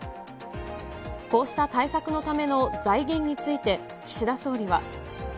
こうした対策のための財源について岸田総理は。